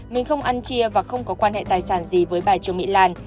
mình không ăn chia và không có quan hệ tài sản gì với bà trương mỹ lan